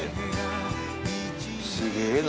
すげえな。